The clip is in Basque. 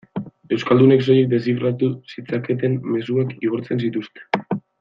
Euskaldunek soilik deszifratu zitzaketen mezuak igortzen zituzten.